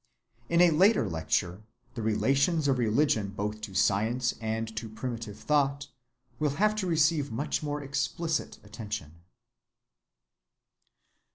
In a later lecture the relations of religion both to science and to primitive thought will have to receive much more explicit attention.